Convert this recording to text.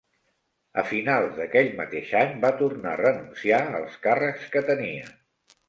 A finals d'aquell mateix any va tornar a renunciar els càrrecs que tenia.